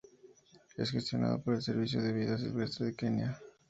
Es gestionado por el Servicio de Vida Silvestre de Kenia.